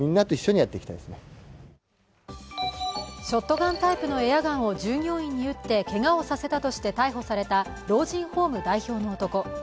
ショットガンタイプのエアガンを従業員に撃ってけがをさせたとして逮捕された老人ホーム代表の男。